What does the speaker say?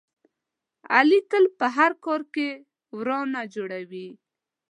علي تل په هر کار کې ورانه جوړوي.